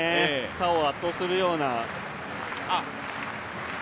他を圧倒するような。